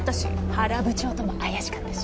原部長とも怪しかったし